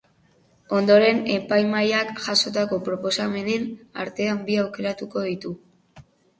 Ondoren, epaimahaiak jasotako proposamenen artean bi aukeratuko ditu.